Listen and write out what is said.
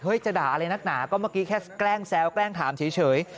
จะด่าอะไรนักหนาก็เมื่อกี้แค่แกล้งแซวแกล้งถามเฉย